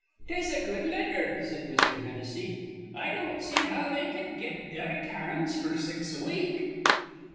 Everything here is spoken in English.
'" "'Tis a good letter," said Mr. Hennessy. "I don't see how they cud get derrick hands f'r six a week."